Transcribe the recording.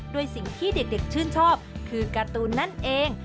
ด้วยสิ่งที่เด็กชื่นชอบคือการ์ตูนนั่นเอง